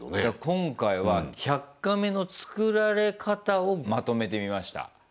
今回は「１００カメ」の作られ方をまとめてみました。